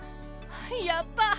やった！